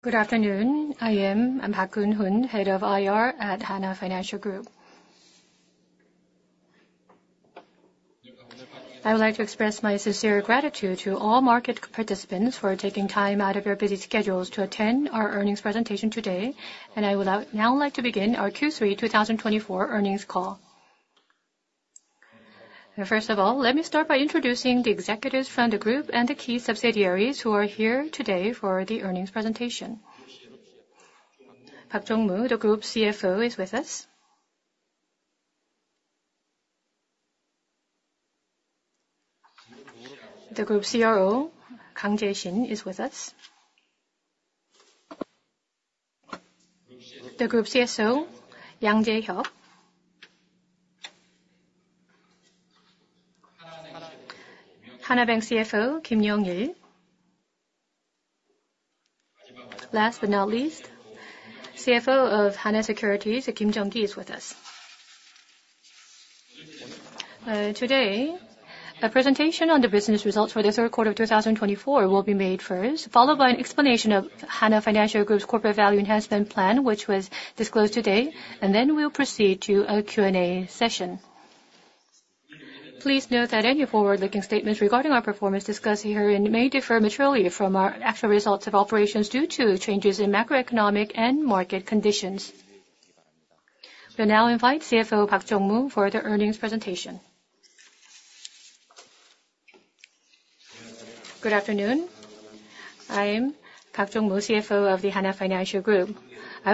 Good afternoon, I am Park Hoon, head of IR at Hana Financial Group. I would like to express my sincere gratitude to all market participants for taking time out of your busy schedules to attend our earnings presentation today, and I would now like to begin our Q3 2024 earnings call. First of all, let me start by introducing the executives from the group and the key subsidiaries who are here today for the earnings presentation. Park Jong-moo, the group CFO, is with us. The group CRO, Kang Jae-shin, is with us. The group CSO, Yang Jae-hyuk, is with us. Hana Bank CFO, Kim Young-il, is with us. Last but not least, CFO of Hana Securities, Kim Jung-ki, is with us. Today, a presentation on the business results for the third quarter of two thousand and twenty-four will be made first, followed by an explanation of Hana Financial Group's corporate value enhancement plan, which was disclosed today, and then we'll proceed to a Q&A session. Please note that any forward-looking statements regarding our performance discussed herein may differ materially from our actual results of operations due to changes in macroeconomic and market conditions. We now invite CFO Park Jong-moo for the earnings presentation. Good afternoon. I'm Park Jong-moo, CFO of the Hana Financial Group. I would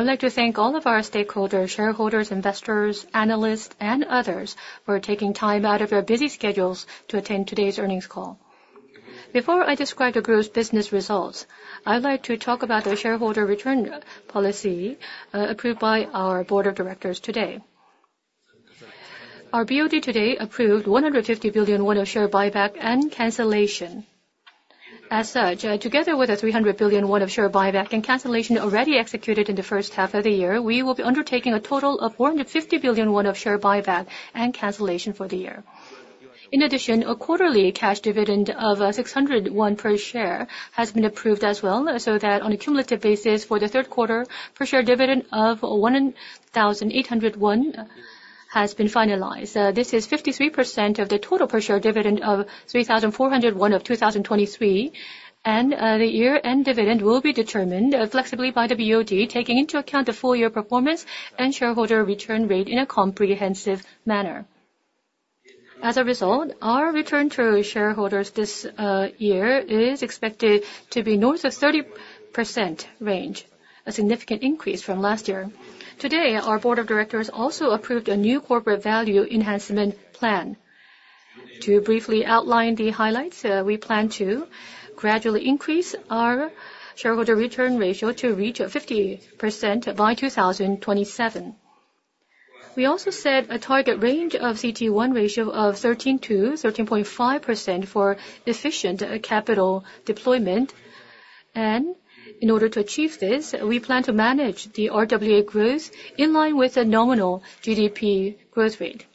like to thank all of our stakeholders, shareholders, investors, analysts, and others for taking time out of your busy schedules to attend today's earnings call. Before I describe the group's business results, I'd like to talk about the shareholder return policy, approved by our board of directors today. Our BOD today approved 150 billion won of share buyback and cancellation. As such, together with the 300 billion won of share buyback and cancellation already executed in the first half of the year, we will be undertaking a total of 450 billion won of share buyback and cancellation for the year. In addition, a quarterly cash dividend of 600 per share has been approved as well, so that on a cumulative basis for the third quarter, per share dividend of 1,800 has been finalized. This is 53% of the total per share dividend of 3,400 of 2023, and the year-end dividend will be determined flexibly by the BOD, taking into account the full year performance and shareholder return rate in a comprehensive manner. As a result, our return to shareholders this year is expected to be north of 30% range, a significant increase from last year. Today, our board of directors also approved a new corporate value enhancement plan. To briefly outline the highlights, we plan to gradually increase our shareholder return ratio to reach 50% by 2027. We also set a target range of CET1 ratio of 13%-13.5% for efficient capital deployment, and in order to achieve this, we plan to manage the RWA growth in line with the nominal GDP growth rate.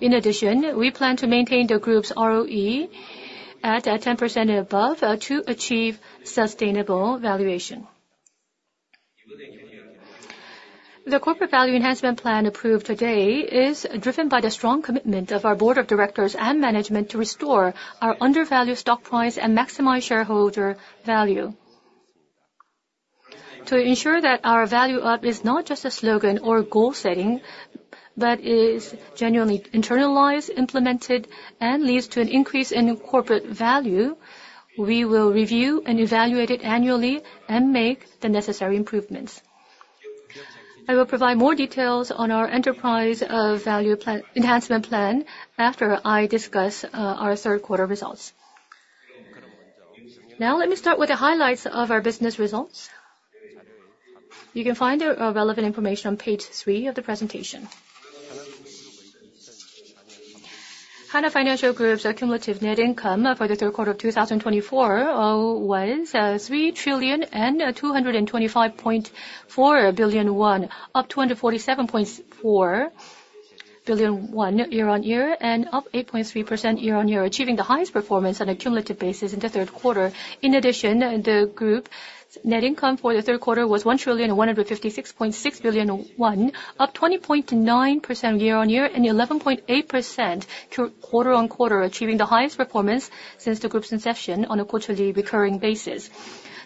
In addition, we plan to maintain the group's ROE at 10% and above, to achieve sustainable valuation. The corporate value enhancement plan approved today is driven by the strong commitment of our board of directors and management to restore our undervalued stock price and maximize shareholder value. To ensure that our Value-up is not just a slogan or a goal setting, but is genuinely internalized, implemented, and leads to an increase in corporate value, we will review and evaluate it annually and make the necessary improvements. I will provide more details on our enterprise value enhancement plan after I discuss our third quarter results. Now, let me start with the highlights of our business results. You can find the relevant information on page three of the presentation. Hana Financial Group's cumulative net income for the third quarter of 2024 was 3.225 trillion, up 247.4 billion year-on-year, and up 8.3% year-on-year, achieving the highest performance on a cumulative basis in the third quarter. In addition, the group's net income for the third quarter was 1.157 trillion, up 20.9% year-on-year and 11.8% quarter-on-quarter, achieving the highest performance since the group's inception on a quarterly recurring basis.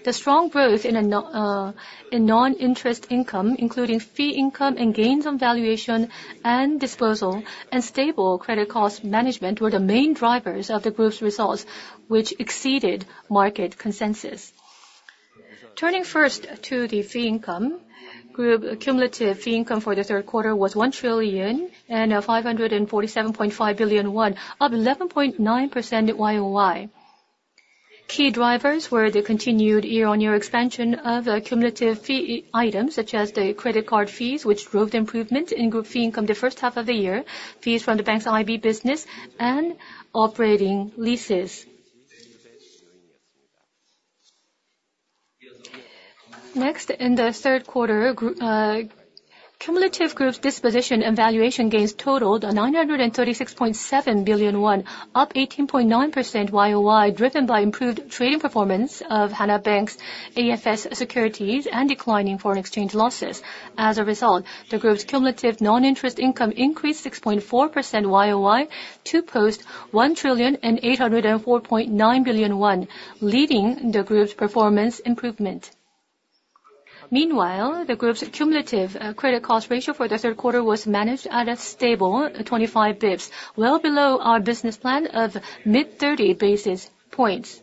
The strong growth in non-interest income, including fee income and gains on valuation and disposal and stable credit cost management, were the main drivers of the group's results, which exceeded market consensus. Turning first to the fee income, group cumulative fee income for the third quarter was 1 trillion and 500.57 billion won, up 11.9% Y-o-Y. Key drivers were the continued year-on-year expansion of cumulative fee items, such as the credit card fees, which drove the improvement in group fee income the first half of the year, fees from the bank's IB business, and operating leases. Next, in the third quarter, group, cumulative group's disposition and valuation gains totaled 936.7 billion won, up 18.9% YoY, driven by improved trading performance of Hana Bank's AFS securities and declining foreign exchange losses. As a result, the group's cumulative non-interest income increased 6.4% YoY to post 1,804.9 billion won leading the group's performance improvement. Meanwhile, the group's cumulative credit cost ratio for the third quarter was managed at a stable 25 basis points, well below our business plan of mid-thirty basis points.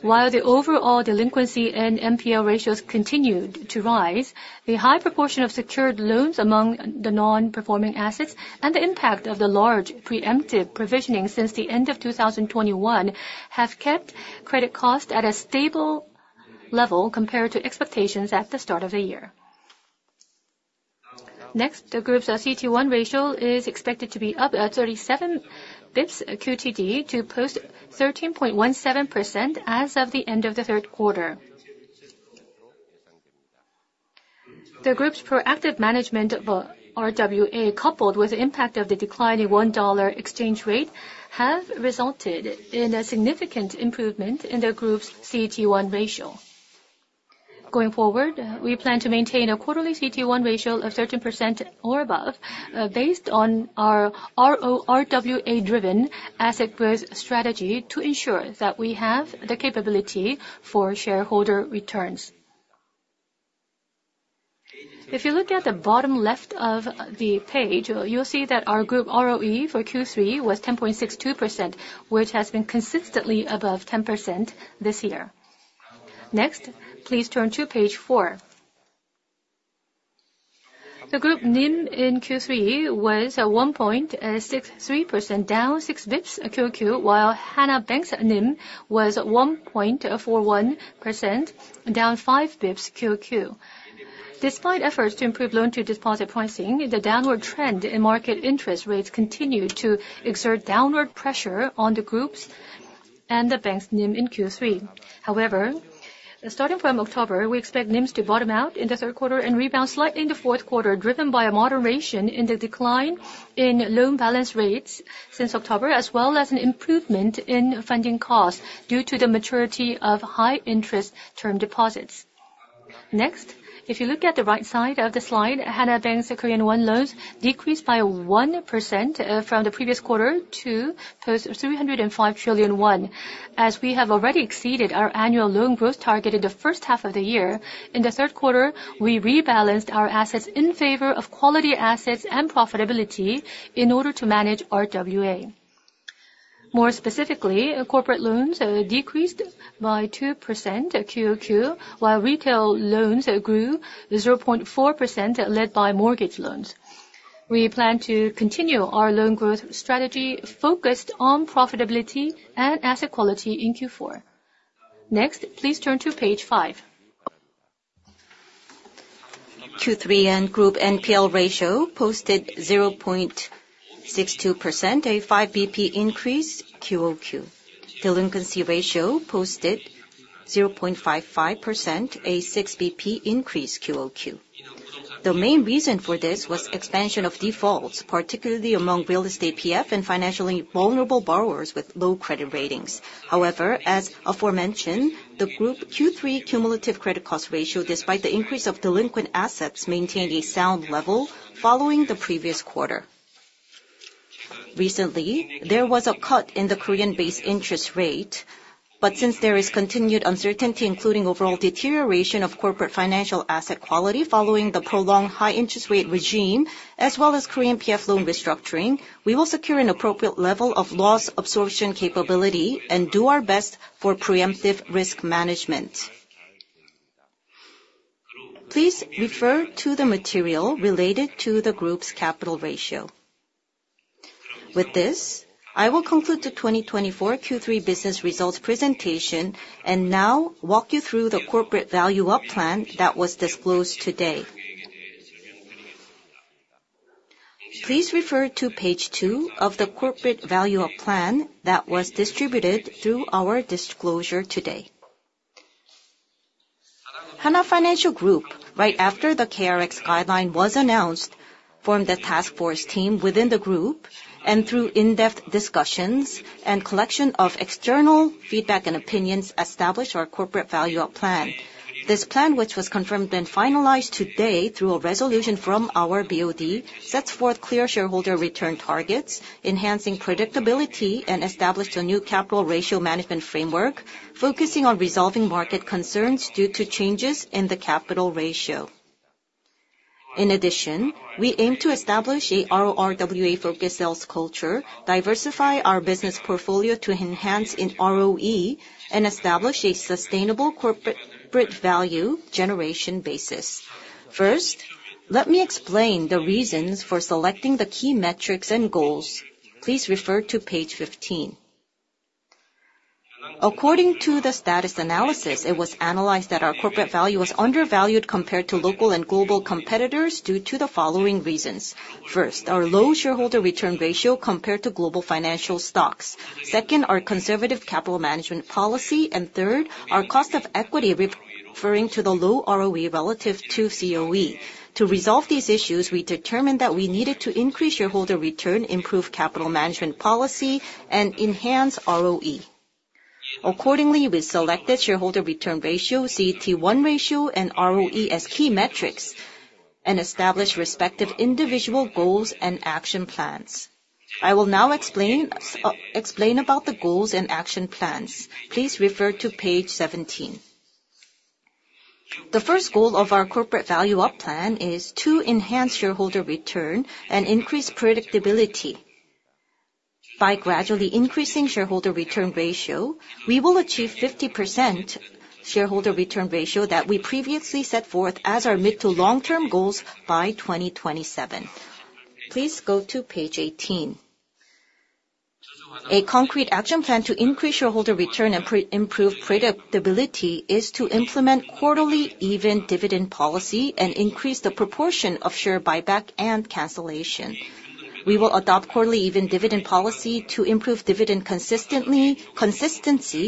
While the overall delinquency and NPL ratios continued to rise, the high proportion of secured loans among the non-performing assets and the impact of the large preemptive provisioning since the end of 2021 have kept credit costs at a stable level compared to expectations at the start of the year. Next, the group's CET1 ratio is expected to be up 37 basis points QTD, to post 13.17% as of the end of the third quarter. The group's proactive management of RWA, coupled with the impact of the decline in won-dollar exchange rate, have resulted in a significant improvement in the group's CET1 ratio. Going forward, we plan to maintain a quarterly CET1 ratio of 13% or above, based on our RORWA-driven asset growth strategy, to ensure that we have the capability for shareholder returns. If you look at the bottom left of the page, you'll see that our group ROE for Q3 was 10.62%, which has been consistently above 10% this year. Next, please turn to page four. The group NIM in Q3 was at 1.63%, down six basis points QOQ, while Hana Bank's NIM was 1.41%, down five basis points QOQ. Despite efforts to improve loan-to-deposit pricing, the downward trend in market interest rates continued to exert downward pressure on the groups and the bank's NIM in Q3. However, starting from October, we expect NIMs to bottom out in the third quarter and rebound slightly in the fourth quarter, driven by a moderation in the decline in loan balance rates since October, as well as an improvement in funding costs due to the maturity of high-interest term deposits. Next, if you look at the right side of the slide, Hana Bank's Korean won loans decreased by 1%, from the previous quarter to 305 trillion won. As we have already exceeded our annual loan growth target in the first half of the year, in the third quarter, we rebalanced our assets in favor of quality assets and profitability in order to manage RWA. More specifically, corporate loans decreased by 2% QOQ, while retail loans grew 0.4%, led by mortgage loans. We plan to continue our loan growth strategy, focused on profitability and asset quality in Q4. Next, please turn to page five. Q3 and group NPL ratio posted 0.62%, a five basis points increase QOQ. Delinquency ratio posted 0.55%, a six basis points increase QOQ. The main reason for this was expansion of defaults, particularly among real estate PF and financially vulnerable borrowers with low credit ratings. However, as aforementioned, the Group Q3 cumulative credit cost ratio, despite the increase of delinquent assets, maintained a sound level following the previous quarter. Recently, there was a cut in the Korean base interest rate, but since there is continued uncertainty, including overall deterioration of corporate financial asset quality following the prolonged high interest rate regime, as well as Korean PF loan restructuring, we will secure an appropriate level of loss absorption capability and do our best for preemptive risk management. Please refer to the material related to the group's capital ratio. With this, I will conclude the 2024 Q3 business results presentation, and now walk you through the corporate value-up plan that was disclosed today. Please refer to page two of the corporate value-up plan that was distributed through our disclosure today. Hana Financial Group, right after the KRX guideline was announced, formed a task force team within the group, and through in-depth discussions and collection of external feedback and opinions, established our corporate value-up plan. This plan, which was confirmed and finalized today through a resolution from our BOD, sets forth clear shareholder return targets, enhancing predictability, and established a new capital ratio management framework, focusing on resolving market concerns due to changes in the capital ratio. In addition, we aim to establish a RORWA-focused sales culture, diversify our business portfolio to enhance in ROE, and establish a sustainable corporate value generation basis. First, let me explain the reasons for selecting the key metrics and goals. Please refer to page 15. According to the status analysis, it was analyzed that our corporate value was undervalued compared to local and global competitors, due to the following reasons: First, our low shareholder return ratio compared to global financial stocks. Second, our conservative capital management policy. Third, our cost of equity referring to the low ROE relative to COE. To resolve these issues, we determined that we needed to increase shareholder return, improve capital management policy, and enhance ROE. Accordingly, we selected shareholder return ratio, CET1 ratio, and ROE as key metrics, and established respective individual goals and action plans. I will now explain about the goals and action plans. Please refer to page 17. The first goal of our corporate value-up plan is to enhance shareholder return and increase predictability. By gradually increasing shareholder return ratio, we will achieve 50% shareholder return ratio that we previously set forth as our mid- to long-term goals by 2027. Please go to page 18. A concrete action plan to increase shareholder return and thereby improve predictability is to implement quarterly even dividend policy and increase the proportion of share buyback and cancellation. We will adopt quarterly even dividend policy to improve dividend consistency,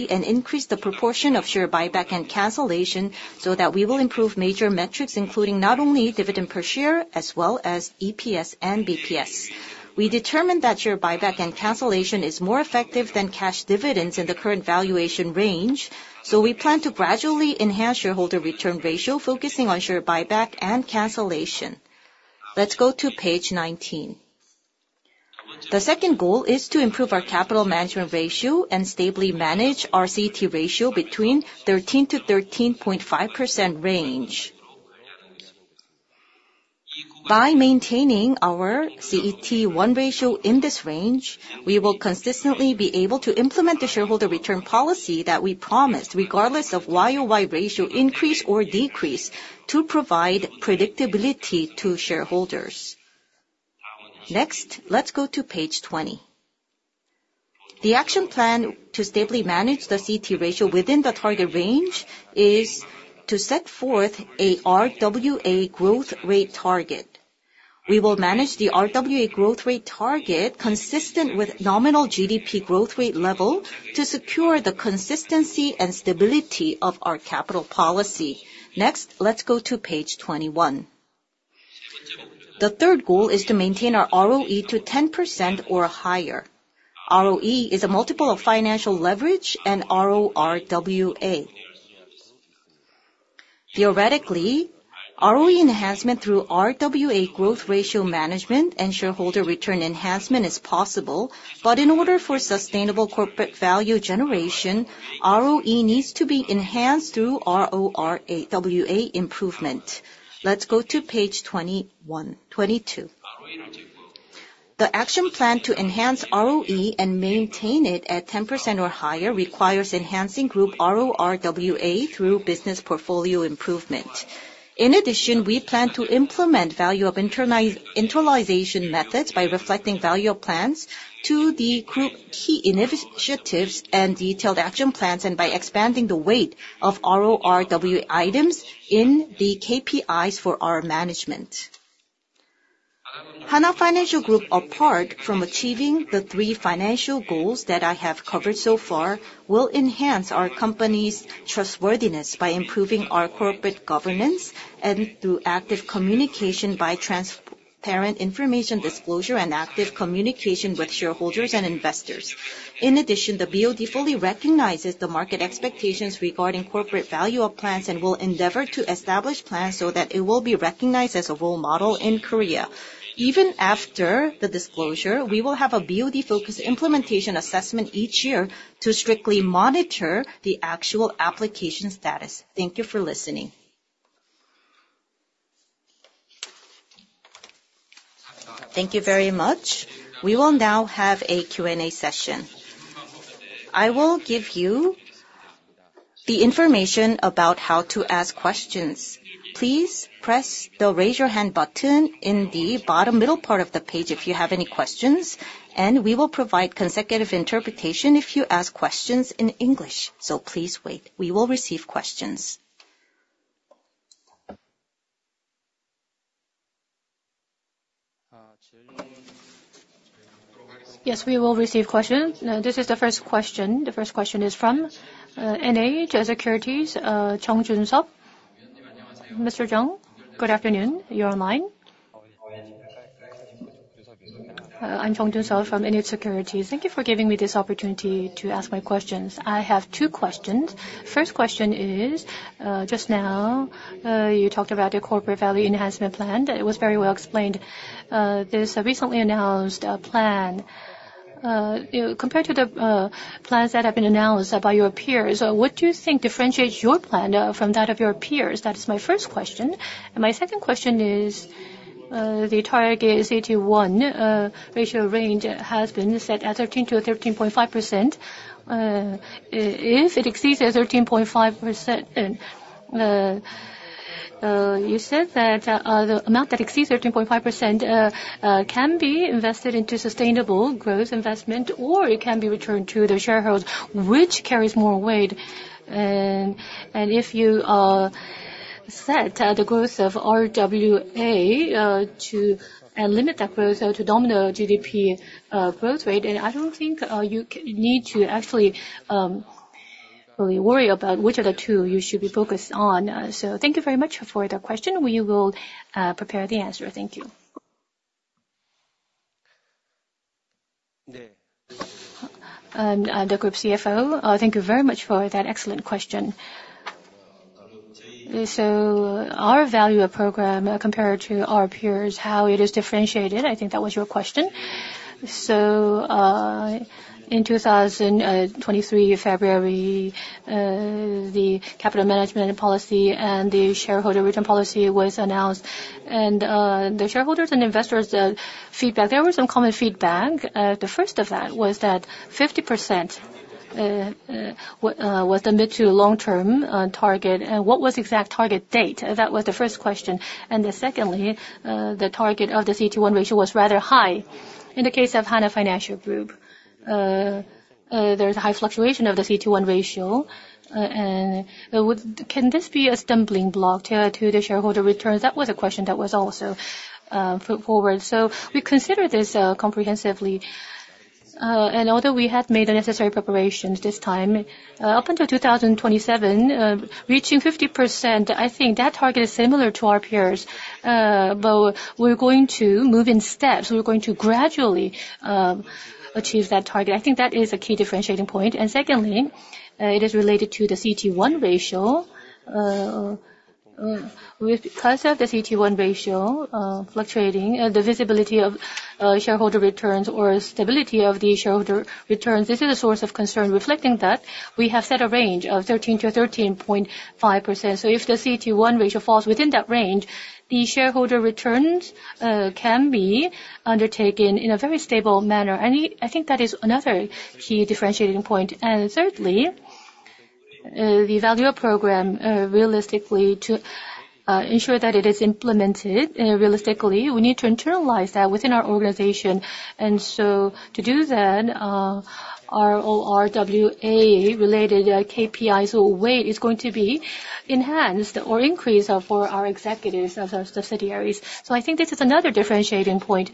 and increase the proportion of share buyback and cancellation so that we will improve major metrics, including not only dividend per share, as well as EPS and BPS. We determined that share buyback and cancellation is more effective than cash dividends in the current valuation range, so we plan to gradually enhance shareholder return ratio, focusing on share buyback and cancellation. Let's go to page 19. The second goal is to improve our capital management ratio and stably manage our CET1 ratio between 13% and 13.5% range. By maintaining our CET1 ratio in this range, we will consistently be able to implement the shareholder return policy that we promised, regardless of YoY ratio increase or decrease, to provide predictability to shareholders. Next, let's go to page 20. The action plan to stably manage the CET ratio within the target range is to set forth a RWA growth rate target. We will manage the RWA growth rate target consistent with nominal GDP growth rate level to secure the consistency and stability of our capital policy. Next, let's go to page 21. The third goal is to maintain our ROE to 10% or higher. ROE is a multiple of financial leverage and RORWA. Theoretically, ROE enhancement through RWA growth ratio management and shareholder return enhancement is possible, but in order for sustainable corporate value generation, ROE needs to be enhanced through RORWA improvement. Let's go to page 22. The action plan to enhance ROE and maintain it at 10% or higher requires enhancing group RORWA through business portfolio improvement. In addition, we plan to implement value-up internalization methods by reflecting value-up plans to the group key initiatives and detailed action plans, and by expanding the weight of RORWA items in the KPIs for our management. Hana Financial Group, apart from achieving the three financial goals that I have covered so far, will enhance our company's trustworthiness by improving our corporate governance, and through active communication by transparent information disclosure and active communication with shareholders and investors. In addition, the BOD fully recognizes the market expectations regarding corporate value-up plans, and will endeavor to establish plans so that it will be recognized as a role model in Korea. Even after the disclosure, we will have a BOD-focused implementation assessment each year to strictly monitor the actual application status. Thank you for listening. Thank you very much. We will now have a Q&A session. I will give you the information about how to ask questions. Please press the Raise Your Hand button in the bottom middle part of the page if you have any questions, and we will provide consecutive interpretation if you ask questions in English. So please wait. We will receive questions. Yes, we will receive questions. This is the first question. The first question is from NH Securities, Chung Jun-sop. Mr. Chung, good afternoon. You're online. I'm Chung, Jun-sop from NH Securities. Thank you for giving me this opportunity to ask my questions. I have two questions. First question is, just now, you talked about your corporate value enhancement plan. It was very well explained. This recently announced plan, compared to the plans that have been announced by your peers, what do you think differentiates your plan from that of your peers? That is my first question. My second question is, the target CET1 ratio range has been set at 13%-13.5%. If it exceeds 13.5%, and you said that the amount that exceeds 13.5% can be invested into sustainable growth investment, or it can be returned to the shareholders. Which carries more weight? If you set the growth of RWA to and limit that growth to nominal GDP growth rate. I don't think you need to actually really worry about which of the two you should be focused on. Thank you very much for the question. We will prepare the answer. Thank you. The Group CFO, thank you very much for that excellent question. Our value-up program, compared to our peers, how it is differentiated, I think that was your question. In 2023 February, the capital management policy and the shareholder return policy was announced. The shareholders' and investors' feedback, there were some common feedback. The first of that was that 50% was the mid- to long-term target and what was exact target date? That was the first question. Then secondly, the target of the CET1 ratio was rather high. In the case of Hana Financial Group, there's a high fluctuation of the CET1 ratio. Can this be a stumbling block to the shareholder returns? That was a question that was also put forward. We consider this comprehensively. Although we had made the necessary preparations this time, up until two thousand and twenty-seven, reaching 50%, I think that target is similar to our peers. We're going to move in steps. We're going to gradually achieve that target. I think that is a key differentiating point. Secondly, it is related to the CET1 ratio. With concept, the CET1 ratio fluctuating, the visibility of shareholder returns or stability of the shareholder returns, this is a source of concern. Reflecting that, we have set a range of 13-13.5%. So if the CET1 ratio falls within that range, the shareholder returns can be undertaken in a very stable manner. And I think that is another key differentiating point. Thirdly, the value program, realistically, to ensure that it is implemented realistically, we need to internalize that within our organization. So to do that, our RORWA-related KPIs weight is going to be enhanced or increased for our executives of our subsidiaries. So I think this is another differentiating point.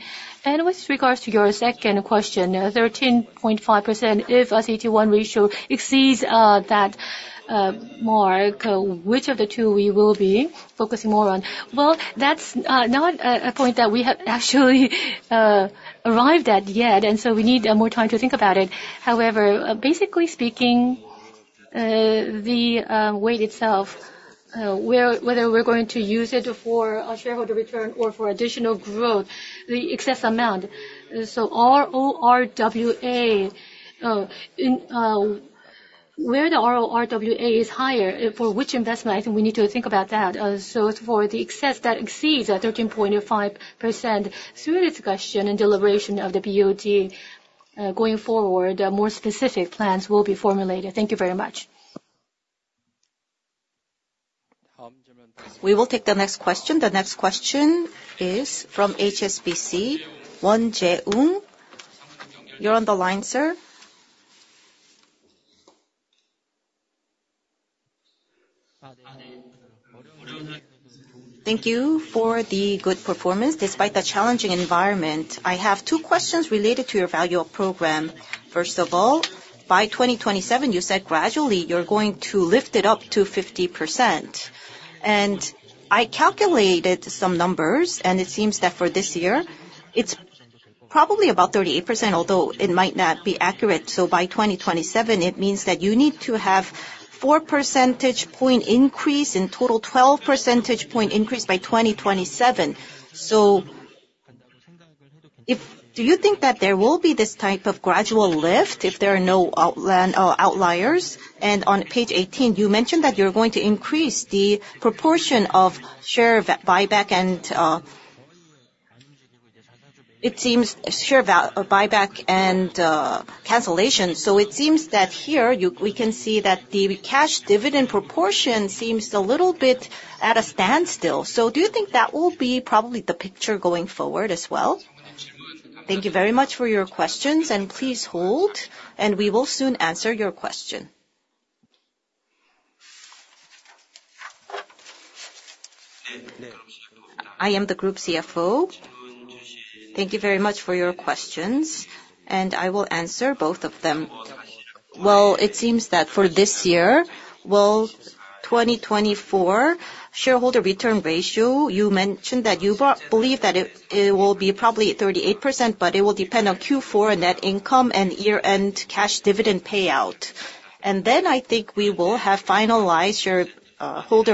With regards to your second question, 13.5%, if a CET1 ratio exceeds that mark, which of the two we will be focusing more on? That's not a point that we have actually arrived at yet, and so we need more time to think about it. However, basically speaking, the weight itself, whether we're going to use it for a shareholder return or for additional growth, the excess amount. RORWA, where the RORWA is higher, for which investment, I think we need to think about that. As for the excess that exceeds the 13.5%, through discussion and deliberation of the BOD, going forward, more specific plans will be formulated. Thank you very much. We will take the next question. The next question is from HSBC, Won-jae Um. You're on the line, sir. Thank you for the good performance despite the challenging environment. I have two questions related to your value-up program. First of all, by 2027, you said gradually you're going to lift it up to 50%. I calculated some numbers, and it seems that for this year, it's probably about 38%, although it might not be accurate. So by 2027, it means that you need to have four percentage point increase, in total 12 percentage point increase by 2027. So, do you think that there will be this type of gradual lift if there are no outliers? On page 18, you mentioned that you're going to increase the proportion of share buyback and cancellation. So it seems that here we can see that the cash dividend proportion seems a little bit at a standstill. So do you think that will be probably the picture going forward as well? Thank you very much for your questions, and please hold, and we will soon answer your question. I am the Group CFO. Thank you very much for your questions, and I will answer both of them. Well, it seems that for this year, 2024, shareholder return ratio, you mentioned that you believe that it will be probably 38%, but it will depend on Q4 net income and year-end cash dividend payout. Then I think we will have finalized shareholder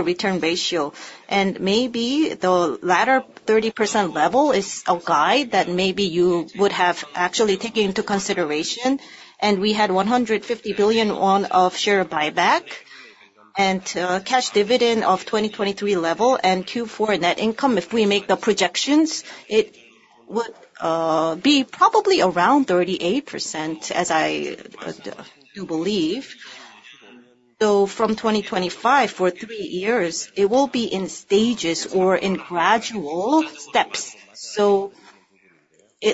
return ratio, and maybe the latter 30% level is a guide that maybe you would have actually taken into consideration and we had 150 billion won of share buyback and cash dividend of 2023 level and Q4 net income. If we make the projections, it would be probably around 38%, as I do believe. So from 2025, for three years, it will be in stages or in gradual steps. So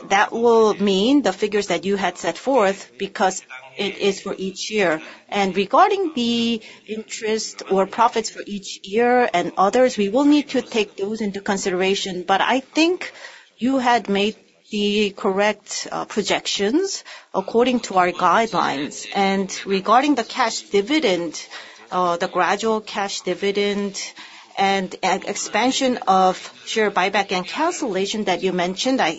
that will mean the figures that you had set forth, because it is for each year, and regarding the interest or profits for each year and others, we will need to take those into consideration, but I think you had made the correct projections according to our guidelines, and regarding the cash dividend, the gradual cash dividend and expansion of share buyback and cancellation that you mentioned, I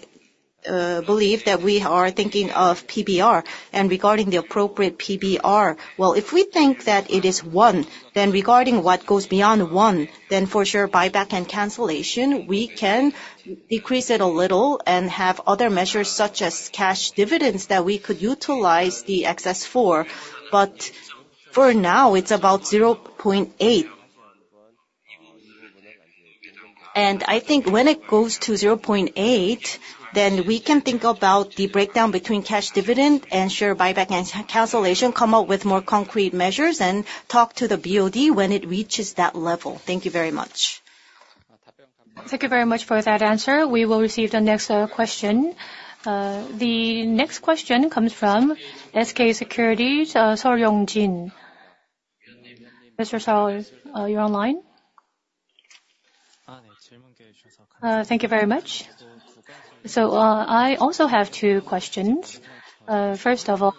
believe that we are thinking of PBR, and regarding the appropriate PBR. Well, if we think that it is one, then regarding what goes beyond one, then for sure buyback and cancellation, we can decrease it a little and have other measures, such as cash dividends that we could utilize the excess for, but for now, it's about 0.8. I think when it goes to 0.8, then we can think about the breakdown between cash dividend and share buyback and cancellation, come up with more concrete measures, and talk to the BOD when it reaches that level. Thank you very much. Thank you very much for that answer. We will receive the next question. The next question comes from SK Securities, Seol Yong-jin. Mr. Seo, you're online? Thank you very much. So, I also have two questions. First of all,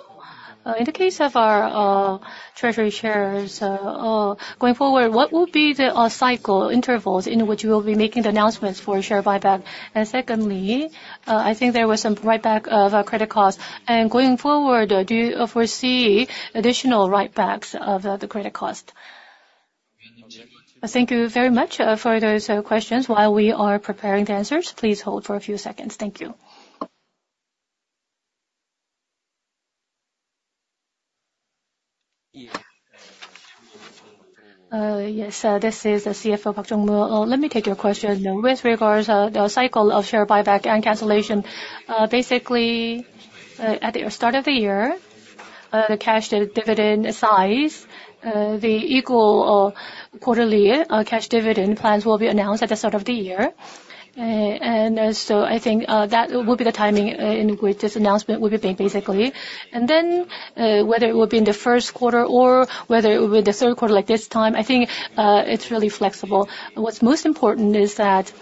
in the case of our treasury shares, going forward, what will be the cycle intervals in which you will be making the announcements for share buyback? Secondly, I think there was some write-back of credit costs and going forward, do you foresee additional write-backs of the credit cost? Thank you very much, for those, questions. While we are preparing the answers, please hold for a few seconds. Thank you. Yes, this is the CFO, Park Jong-moo. Let me take your question. With regards to the cycle of share buyback and cancellation, basically, at the start of the year, the cash dividend size, the equal quarterly cash dividend plans will be announced at the start of the year. So I think that will be the timing in which this announcement will be made, basically. Then, whether it will be in the first quarter or whether it will be the third quarter, like this time, I think it's really flexible. What's most important is that,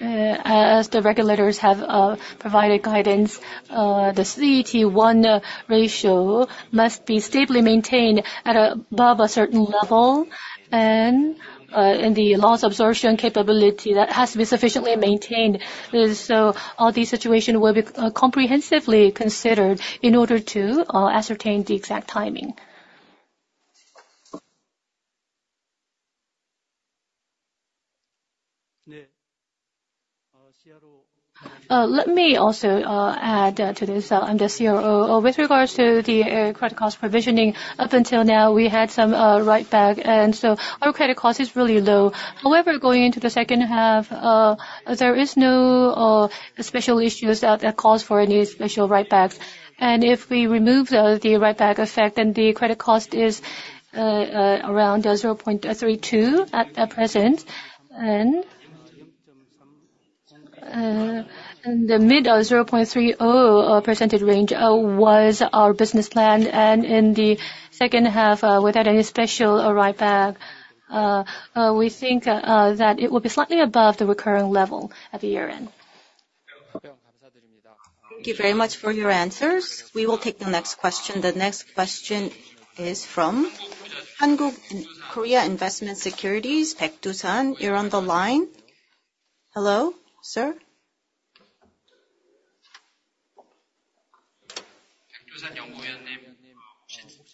as the regulators have provided guidance, the CET1 ratio must be stably maintained at above a certain level, and the loss absorption capability that has to be sufficiently maintained. So all these situation will be comprehensively considered in order to ascertain the exact timing. Let me also add to this. I'm the CRO. With regards to the credit cost provisioning, up until now, we had some write-back, and so our credit cost is really low. However, going into the second half, there is no special issues that cause for any special write-backs. If we remove the write-back effect, then the credit cost is around 0.32% at present and in the mid of 0.30% range was our business plan and in the second half, without any special write-back, we think that it will be slightly above the recurring level at the year-end. Thank you very much for your answers. We will take the next question. The next question is from Korea Investment Securities, Baek Doosan. You're on the line. Hello, sir?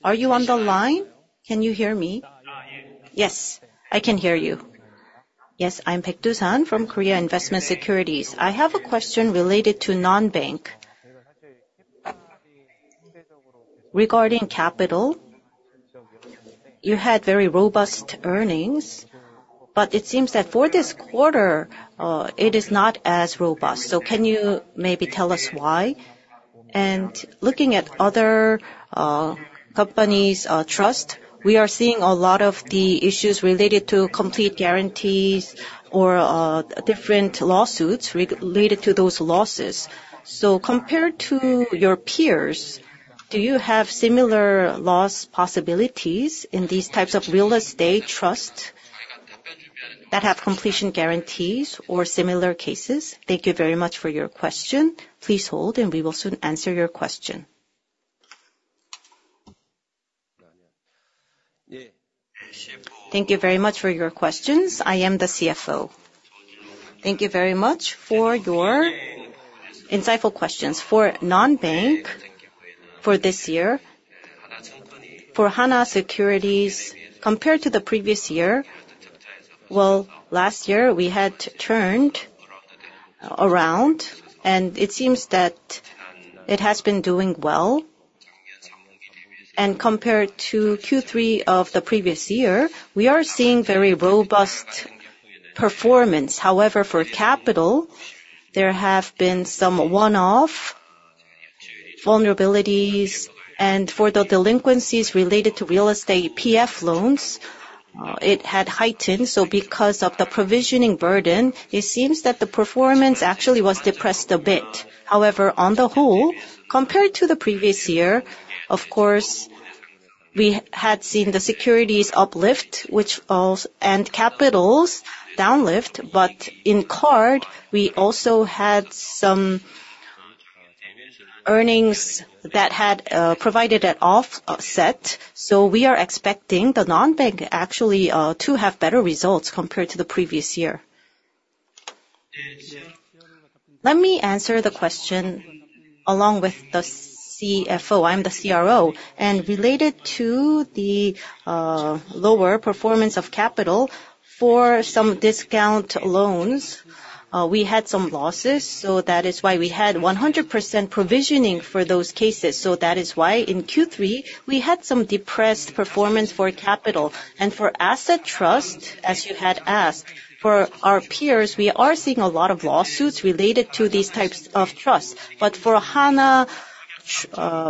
Are you on the line? Can you hear me? Yes. Yes, I can hear you. Yes, I'm Baek Doosan from Korea Investment Securities. I have a question related to non-bank. Regarding capital, you had very robust earnings, but it seems that for this quarter, it is not as robust. So can you maybe tell us why? Looking at other companies, trust, we are seeing a lot of the issues related to completion guarantees or different lawsuits related to those losses. So compared to your peers, do you have similar loss possibilities in these types of real estate trust that have completion guarantees or similar cases? Thank you very much for your question. Please hold, and we will soon answer your question. Thank you very much for your questions. I am the CFO. Thank you very much for your insightful questions. For non-bank, for this year, for Hana Securities, compared to the previous year, well, last year we had turned around, and it seems that it has been doing well and compared to Q3 of the previous year, we are seeing very robust performance. However, for capital, there have been some one-off vulnerabilities, and for the delinquencies related to real estate PF loans, it had heightened. So because of the provisioning burden, it seems that the performance actually was depressed a bit. However, on the whole, compared to the previous year, of course, we had seen the securities uplift, which also and capital's downlift, but in card, we also had some earnings that had provided an offset, so we are expecting the non-bank actually to have better results compared to the previous year. Let me answer the question along with the CFO. I'm the CRO. Related to the lower performance of capital, for some discount loans, we had some losses, so that is why we had 100% provisioning for those cases. So that is why in Q3, we had some depressed performance for capital. For Asset Trust, as you had asked, for our peers, we are seeing a lot of lawsuits related to these types of trusts. For Hana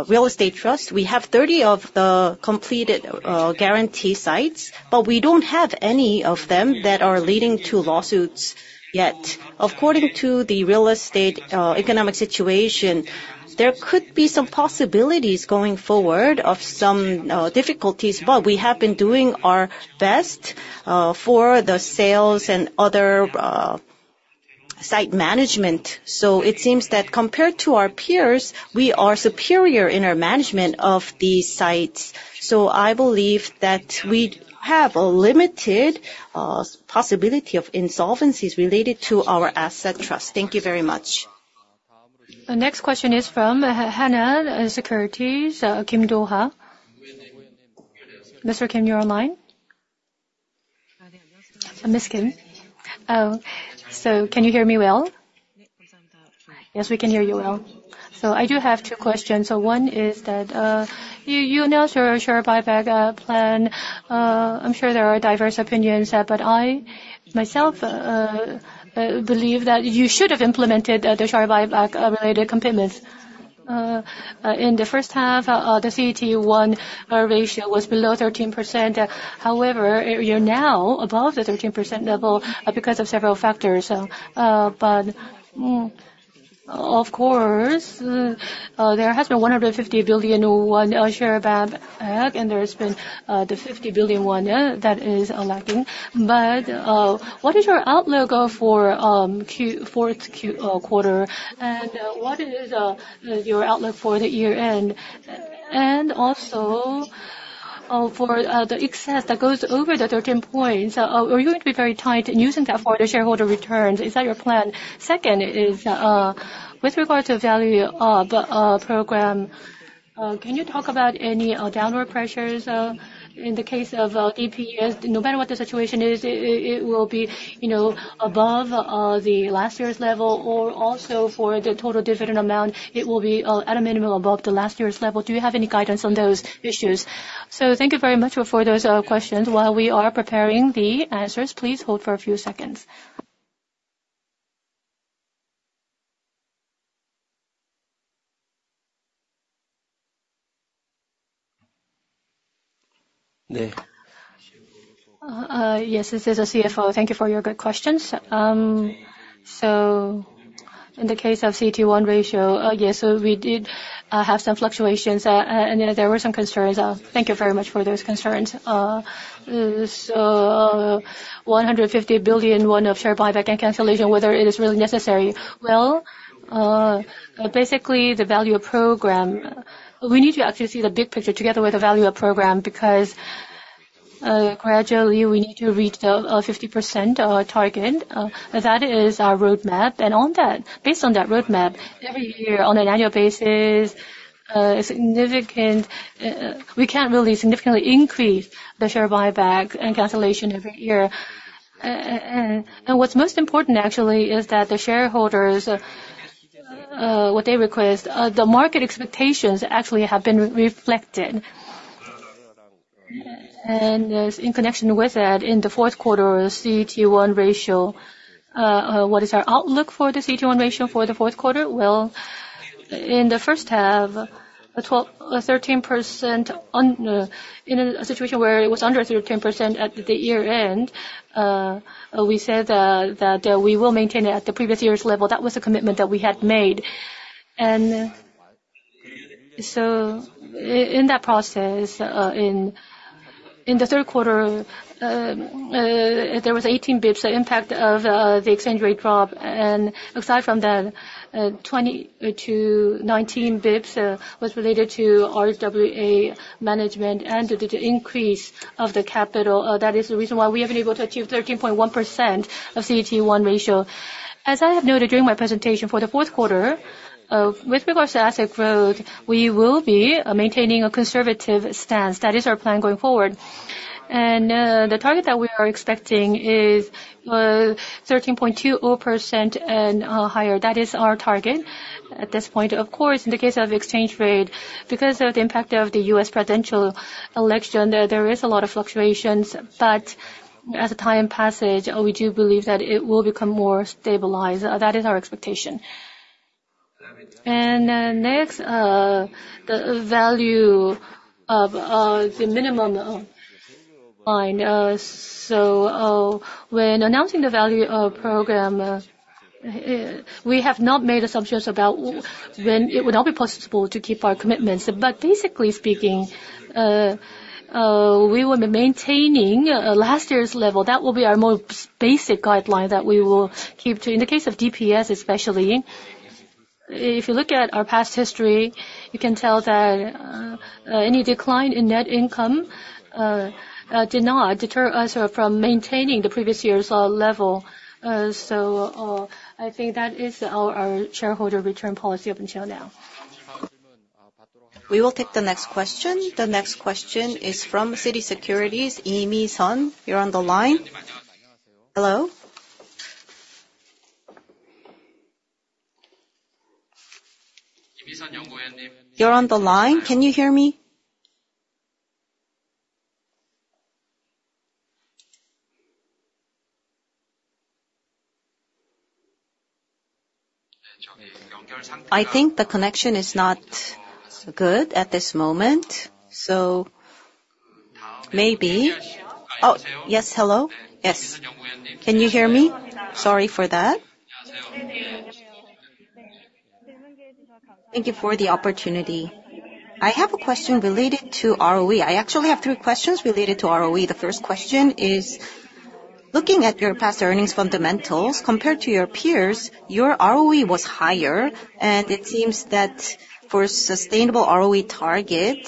Real Estate Trust, we have 30 of the completed guarantee sites, but we don't have any of them that are leading to lawsuits yet. According to the real estate economic situation, there could be some possibilities going forward of some difficulties, but we have been doing our best for the sales and other site management. It seems that compared to our peers, we are superior in our management of these sites. I believe that we have a limited possibility of insolvencies related to our Asset Trust. Thank you very much. The next question is from Hana Securities, Kim Doha. Mr. Kim, you're online? Ms. Kim. Oh, so can you hear me well? Yes, we can hear you well. So I do have two questions. So one is that, you announced your share buyback plan. I'm sure there are diverse opinions, but I myself believe that you should have implemented the share buyback related commitments. In the first half, the CET1 ratio was below 13%. However, you're now above the 13% level because of several factors. But of course, there has been 150 billion share buyback, and there has been the 50 billion that is lacking, but what is your outlook for fourth quarter and what is your outlook for the year end? Also, for the excess that goes over the 13 points, are you going to be very tight in using that for the shareholder returns? Is that your plan? Second is, with regard to value program, can you talk about any downward pressures in the case of EPS? No matter what the situation is, it will be, you know, above the last year's level, or also for the total dividend amount, it will be, at a minimum, above the last year's level. Do you have any guidance on those issues? So thank you very much for those questions. While we are preparing the answers, please hold for a few seconds. Yes, this is the CFO. Thank you for your good questions. So in the case of CET1 ratio, yes, so we did have some fluctuations, and there were some concerns. Thank you very much for those concerns. So, 150 billion won of share buyback and cancellation, whether it is really necessary. Well, basically, the value program, we need to actually see the big picture together with the value program, because gradually, we need to reach the 50% target. That is our roadmap, and on that based on that roadmap, every year, on an annual basis, significant. We can't really significantly increase the share buyback and cancellation every year. What's most important, actually, is that the shareholders, what they request, the market expectations actually have been reflected. In connection with that, in the fourth quarter, CET1 ratio, what is our outlook for the CET1 ratio for the fourth quarter? In the first half, a 13% in a situation where it was under 13% at the year-end, we said that we will maintain it at the previous year's level. That was a commitment that we had made. So in that process, in the third quarter, there was 18 basis points, the impact of the exchange rate drop, and aside from that, 20-19 basis points was related to RWA management and the increase of the capital. That is the reason why we have been able to achieve 13.1% of CET1 ratio. As I have noted during my presentation, for the fourth quarter, with regards to asset growth, we will be maintaining a conservative stance. That is our plan going forward, and the target that we are expecting is 13.2% and higher. That is our target at this point. Of course, in the case of exchange rate, because of the impact of the U.S. presidential election, there is a lot of fluctuations, but as time passage, we do believe that it will become more stabilized. That is our expectation. Next, the value-up minimum line. When announcing the value-up program, we have not made assumptions about when it would not be possible to keep our commitments. Basically speaking, we will be maintaining last year's level. That will be our most basic guideline that we will keep to. In the case of DPS, especially, if you look at our past history, you can tell that any decline in net income did not deter us from maintaining the previous year's level. I think that is our shareholder return policy up until now. We will take the next question. The next question is from Citi Securities, Ya-mee Son. You're on the line. Hello? You're on the line. Can you hear me? I think the connection is not good at this moment, so maybe. Oh, yes, hello? Yes. Can you hear me? Sorry for that. Thank you for the opportunity. I have a question related to ROE. I actually have three questions related to ROE. The first question is, looking at your past earnings fundamentals, compared to your peers, your ROE was higher, and it seems that for a sustainable ROE target,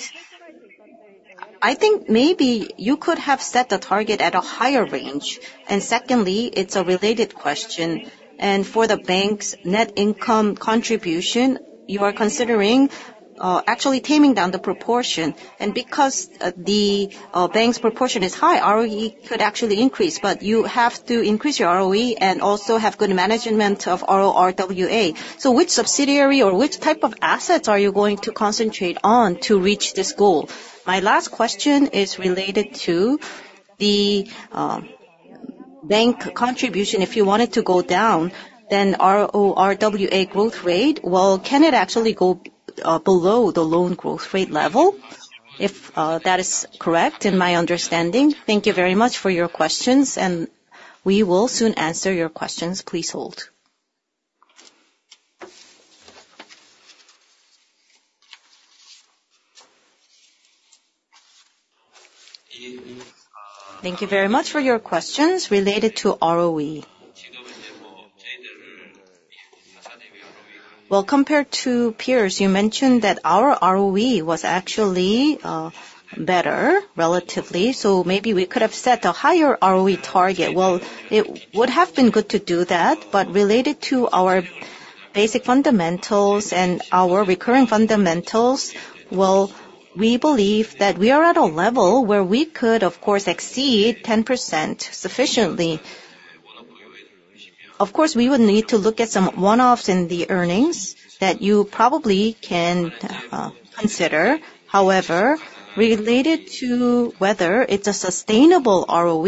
I think maybe you could have set the target at a higher range. Secondly, it's a related question, and for the bank's net income contribution, you are considering, actually taming down the proportion and because, the bank's proportion is high, ROE could actually increase, but you have to increase your ROE and also have good management of RORWA. So which subsidiary or which type of assets are you going to concentrate on to reach this goal? My last question is related to the bank contribution. If you want it to go down, then RORWA growth rate, well, can it actually go below the loan growth rate level? If that is correct in my understanding, thank you very much for your questions, and we will soon answer your questions. Please hold. Thank you very much for your questions related to ROE. Well, compared to peers, you mentioned that our ROE was actually better, relatively, so maybe we could have set a higher ROE target. Well, it would have been good to do that, but related to our basic fundamentals and our recurring fundamentals, well, we believe that we are at a level where we could, of course, exceed 10% sufficiently. Of course, we would need to look at some one-offs in the earnings that you probably can consider. However, related to whether it's a sustainable ROE,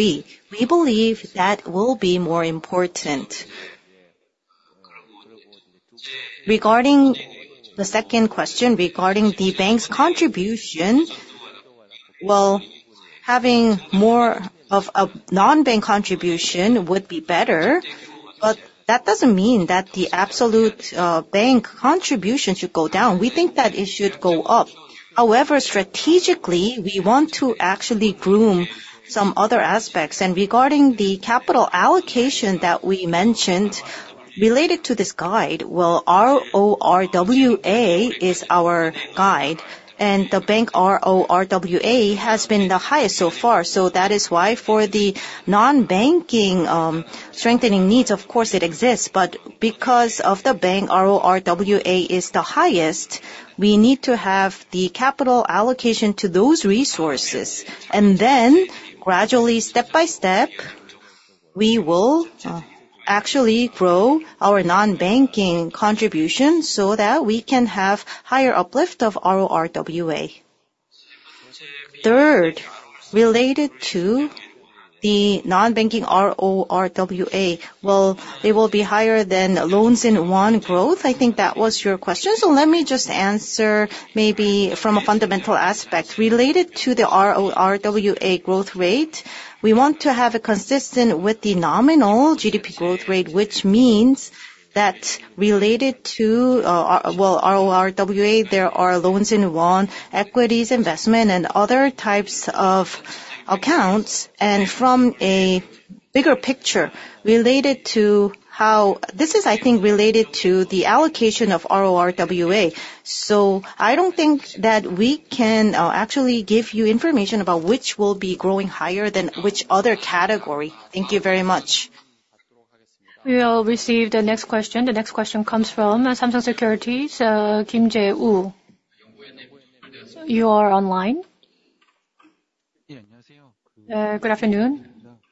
we believe that will be more important. Regarding the second question, regarding the bank's contribution, well, having more of a non-bank contribution would be better, but that doesn't mean that the absolute bank contribution should go down. We think that it should go up. However, strategically, we want to actually groom some other aspects. Regarding the capital allocation that we mentioned, related to this guide, well, RORWA is our guide, and the bank RORWA has been the highest so far. That is why for the non-banking strengthening needs, of course it exists, but because of the bank RORWA is the highest, we need to have the capital allocation to those resources. Then gradually, step by step, we will actually grow our non-banking contribution so that we can have higher uplift of RORWA. Third, related to the non-banking RORWA, well, they will be higher than loans in won growth. I think that was your question, so let me just answer maybe from a fundamental aspect. Related to the RORWA growth rate, we want to have it consistent with the nominal GDP growth rate, which means that related to, well, RORWA, there are loans in won, equities, investment, and other types of accounts, and from a bigger picture, related to how this is, I think, related to the allocation of RORWA. So I don't think that we can actually give you information about which will be growing higher than which other category. Thank you very much. We will receive the next question. The next question comes from Samsung Securities, Kim Jae-woo. You are online? Yeah, good afternoon.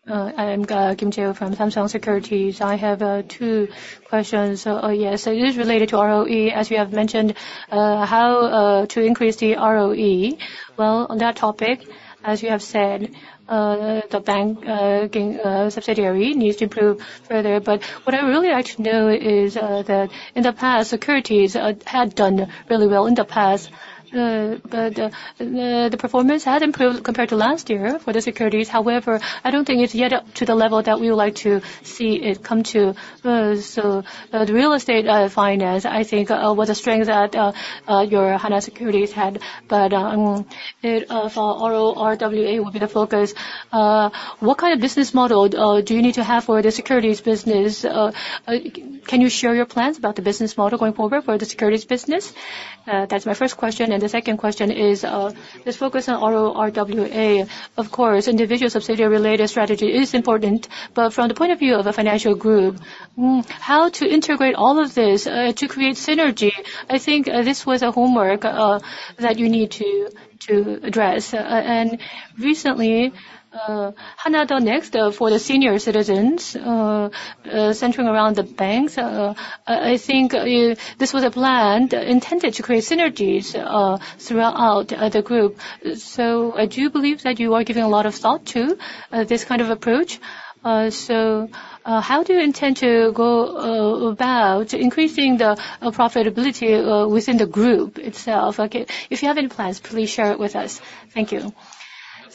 I'm Kim Jae-woo from Samsung Securities. I have two questions. So, yes, it is related to ROE, as you have mentioned, how to increase the ROE. Well, on that topic, as you have said, the banking subsidiary needs to improve further. But what I'd really like to know is that in the past, securities had done really well in the past. But the performance had improved compared to last year for the securities. However, I don't think it's yet up to the level that we would like to see it come to. So, the real estate finance, I think, was a strength that your Hana Securities had, but it for RORWA will be the focus. What kind of business model do you need to have for the securities business? Can you share your plans about the business model going forward for the securities business? That's my first question, and the second question is, let's focus on RORWA. Of course, individual subsidiary-related strategy is important, but from the point of view of a financial group, how to integrate all of this to create synergy. I think this was a homework that you need to address. Recently, Hana The Next for the senior citizens, centering around the banks, I think this was a plan intended to create synergies throughout the group. Do you believe that you are giving a lot of thought to this kind of approach? So, how do you intend to go about increasing the profitability within the group itself? Okay, if you have any plans, please share it with us. Thank you.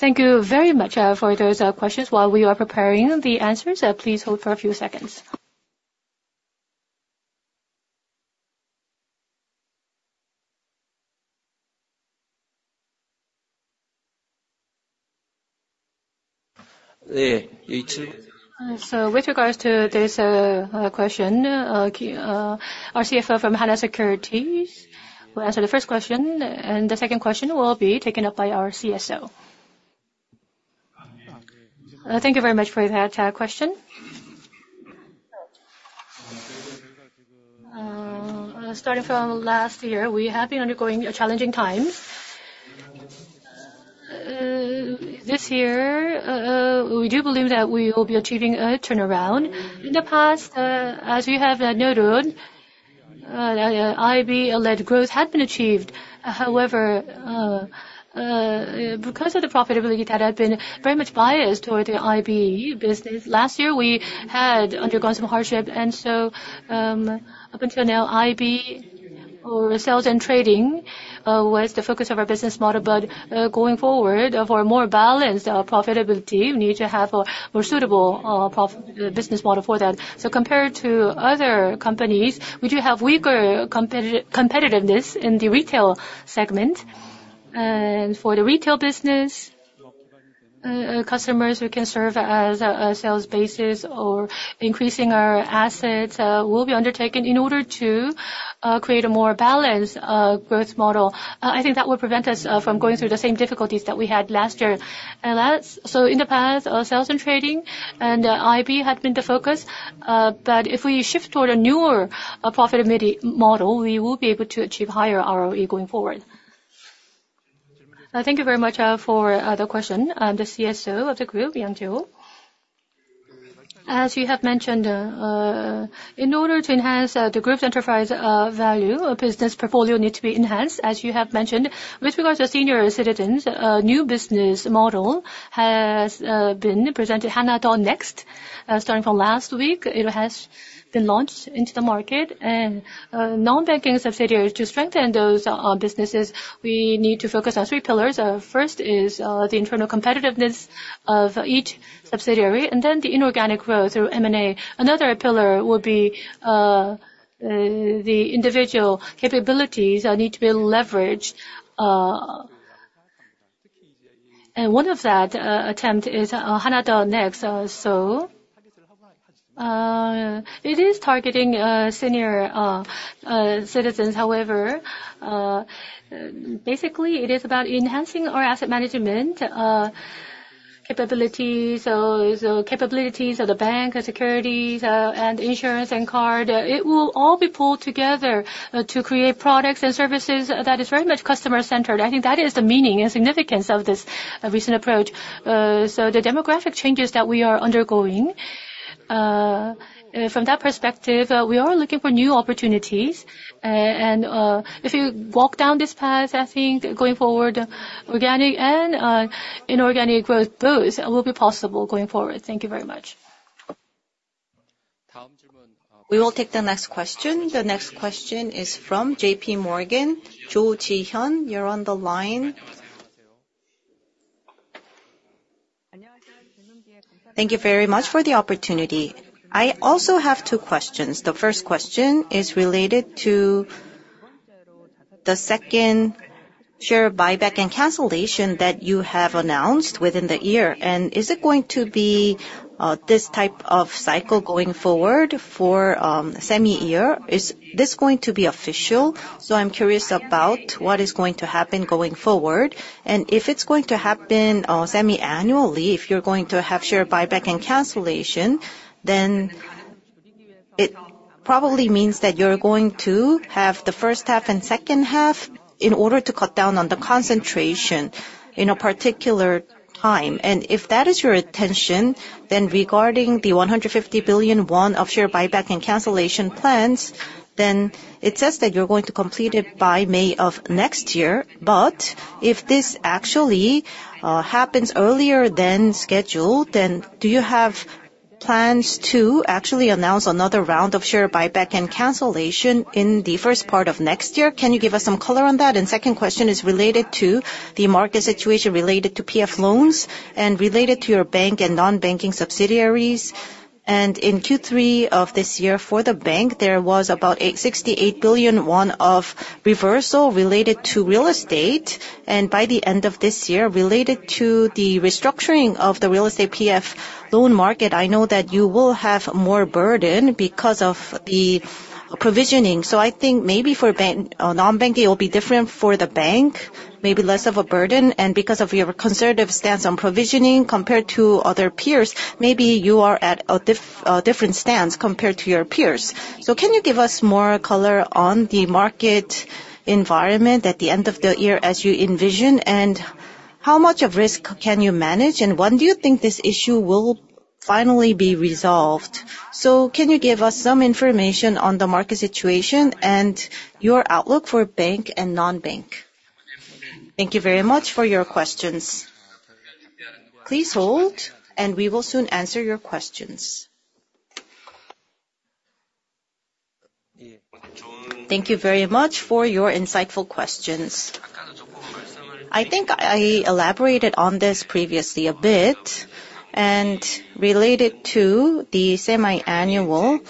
Thank you very much for those questions. While we are preparing the answers, please hold for a few seconds. So with regards to this question, our CFO from Hana Securities will answer the first question, and the second question will be taken up by our CSO. Thank you very much for that question. Starting from last year, we have been undergoing a challenging time. This year, we do believe that we will be achieving a turnaround. In the past, as you have noted, IB-led growth had been achieved. However, because of the profitability that had been very much biased toward the IB business, last year we had undergone some hardship, and so, up until now, IB or sales and trading was the focus of our business model. But, going forward, for a more balanced profitability, we need to have a more suitable business model for that. So compared to other companies, we do have weaker competitiveness in the retail segment. For the retail business, customers who can serve as a sales basis or increasing our assets will be undertaken in order to create a more balanced growth model. I think that will prevent us from going through the same difficulties that we had last year. That's so in the past, sales and trading and IB had been the focus, but if we shift toward a newer profitability model, we will be able to achieve higher ROE going forward. Thank you very much for the question. The CSO of the group, Yang Jae-hyuk. As you have mentioned, in order to enhance the group's enterprise value, a business portfolio need to be enhanced. As you have mentioned, with regards to senior citizens, a new business model has been presented, Hana The Next. Starting from last week, it has been launched into the market and non-banking subsidiaries, to strengthen those businesses, we need to focus on three pillars. First is the internal competitiveness of each subsidiary, and then the inorganic growth through M&A. Another pillar will be the individual capabilities need to be leveraged and one of that attempt is Hana The Next. So it is targeting senior citizens. However, basically, it is about enhancing our asset management capabilities, so capabilities of the bank, and securities, and insurance, and card. It will all be pulled together to create products and services that is very much customer-centered. I think that is the meaning and significance of this recent approach, so the demographic changes that we are undergoing from that perspective we are looking for new opportunities, and if you walk down this path, I think going forward, organic and inorganic growth, both will be possible going forward. Thank you very much. We will take the next question. The next question is from JP Morgan. Cho Ji-hyun, you're on the line. Thank you very much for the opportunity. I also have two questions. The first question is related to the second share buyback and cancellation that you have announced within the year, and is it going to be this type of cycle going forward for semi-year? Is this going to be official? So I'm curious about what is going to happen going forward, and if it's going to happen semi-annually, if you're going to have share buyback and cancellation, then it probably means that you're going to have the first half and second half in order to cut down on the concentration in a particular time. If that is your intention, then regarding the 150 billion won of share buyback and cancellation plans, then it says that you're going to complete it by May of next year, but if this actually happens earlier than scheduled, then do you have plans to actually announce another round of share buyback and cancellation in the first part of next year? Can you give us some color on that? Second question is related to the market situation related to PF loans and related to your bank and non-banking subsidiaries, and in Q3 of this year, for the bank, there was about 868 billion won of reversal related to real estate. By the end of this year, related to the restructuring of the Real Estate PF Loan market, I know that you will have more burden because of the provisioning. So I think maybe for bank, non-banking, it will be different for the bank, maybe less of a burden and because of your conservative stance on provisioning compared to other peers, maybe you are at a different stance compared to your peers. So can you give us more color on the market environment at the end of the year, as you envision and how much of risk can you manage, and when do you think this issue will finally be resolved? So can you give us some information on the market situation and your outlook for bank and non-bank? Thank you very much for your questions. Please hold, and we will soon answer your questions. Thank you very much for your insightful questions. I think I elaborated on this previously a bit, and related to the semiannual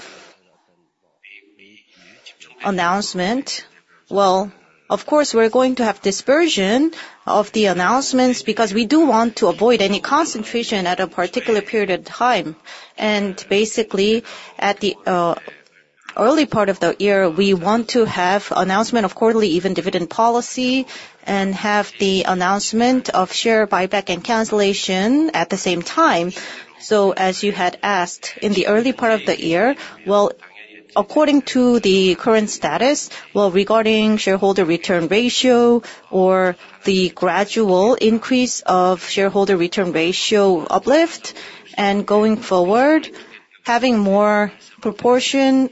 announcement, well, of course, we're going to have dispersion of the announcements, because we do want to avoid any concentration at a particular period in time. Basically, at the early part of the year, we want to have announcement of quarterly, even dividend policy, and have the announcement of share buyback and cancellation at the same time. So as you had asked, in the early part of the year, well, according to the current status, well, regarding shareholder return ratio or the gradual increase of shareholder return ratio uplift, and going forward, having more proportion,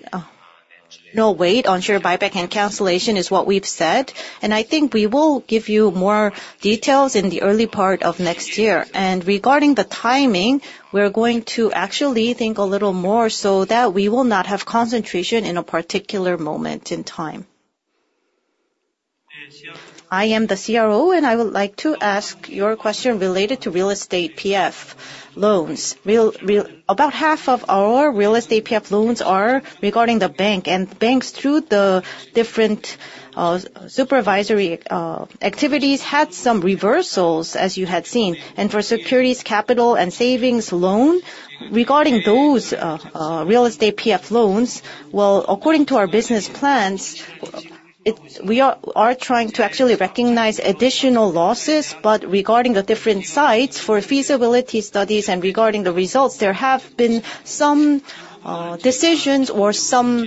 no weight on share buyback and cancellation is what we've said, and I think we will give you more details in the early part of next year. Regarding the timing, we're going to actually think a little more so that we will not have concentration in a particular moment in time. I am the CRO, and I would like to ask your question related to real estate PF loans. About half of our real estate PF loans are regarding the bank, and banks, through the different, supervisory, activities, had some reversals, as you had seen. For securities, capital, and savings loan, regarding those real estate PF loans, well, according to our business plans, we are trying to actually recognize additional losses. Regarding the different sites, for feasibility studies and regarding the results, there have been some decisions or some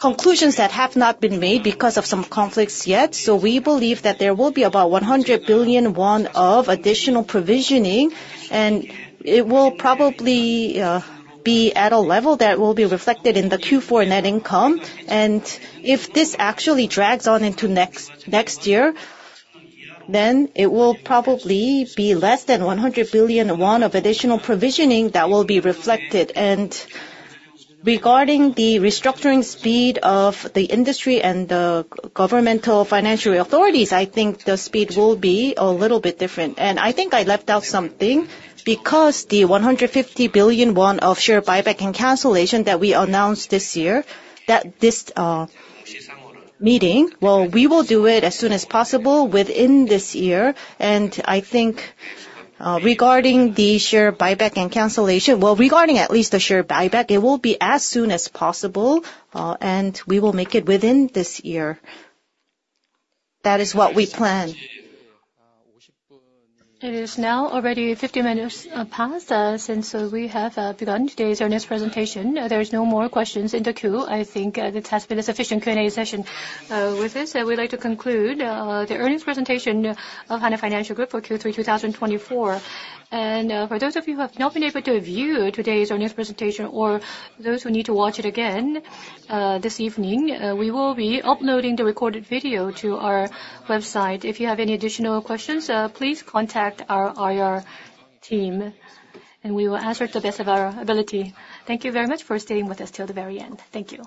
conclusions that have not been made because of some conflicts yet. We believe that there will be about 100 billion won of additional provisioning, and it will probably be at a level that will be reflected in the Q4 net income and if this actually drags on into next year, then it will probably be less than 100 billion won of additional provisioning that will be reflected. Regarding the restructuring speed of the industry and the governmental financial authorities, I think the speed will be a little bit different. I think I left out something, because the 150 billion won of share buyback and cancellation that we announced this year, that this meeting, well, we will do it as soon as possible within this year. I think, regarding the share buyback and cancellation, regarding at least the share buyback, it will be as soon as possible, and we will make it within this year. That is what we plan. It is now already 50 minutes past since we have begun today's earnings presentation. There is no more questions in the queue. I think this has been a sufficient Q&A session. With this, I would like to conclude the earnings presentation of Hana Financial Group for Q3 2024. For those of you who have not been able to view today's earnings presentation, or those who need to watch it again, this evening we will be uploading the recorded video to our website. If you have any additional questions, please contact our IR team, and we will answer to the best of our ability. Thank you very much for staying with us till the very end. Thank you.